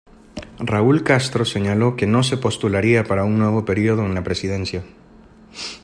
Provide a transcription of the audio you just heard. Raúl Castro señaló que no se postularía para un nuevo período en la presidencia.